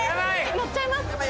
乗っちゃいます。